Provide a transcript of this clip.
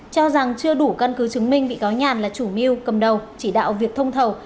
cho rằng chưa đủ căn cứ chứng minh bị cáo nhàn là chủ mưu cầm đầu chỉ đạo việc thông thầu